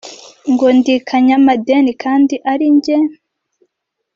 Ngo ndi kanyamadeni kandi ari njye